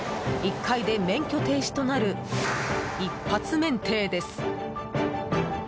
１回で免許停止となる一発免停です。